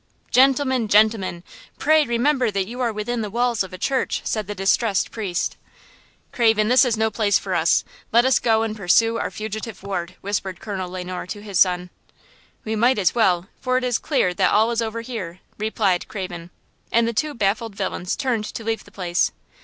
"Gentlemen! gentlemen! pray remember that you are within the walls of a church!" said the distressed priest. "Craven, this is no place for us; let us go and pursue our fugitive ward," whispered Colonel Le Noir to his son. "We might as well; for it is clear that all is over here!" replied Craven. And the two baffled villains turned to leave the place.